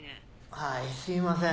はいすいません。